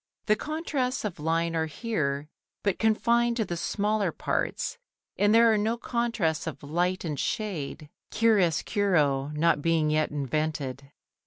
The contrasts of line are here but confined to the smaller parts, and there are no contrasts of light and shade, chiaroscuro not being yet invented.